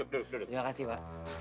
terima kasih pak